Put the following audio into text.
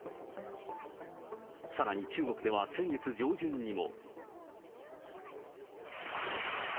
さらに中国では先月上旬にも。